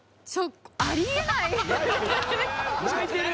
泣いてる。